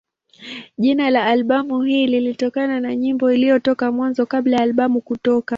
Jina la albamu hii lilitokana na nyimbo iliyotoka Mwanzo kabla ya albamu kutoka.